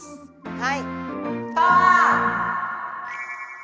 はい。